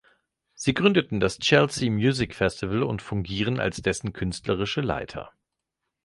Sie gründeten das Chelsea Music Festival und fungieren als dessen künstlerische Leiter.